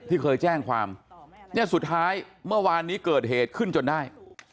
ที่เคยแจ้งความเนี่ยสุดท้ายเมื่อวานนี้เกิดเหตุขึ้นจนได้